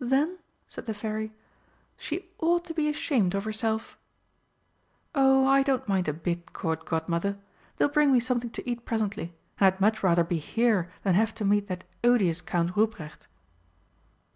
"Then," said the Fairy, "she ought to be ashamed of herself!" "Oh, I don't mind a bit, Court Godmother. They'll bring me something to eat presently, and I'd much rather be here than have to meet that odious Count Ruprecht!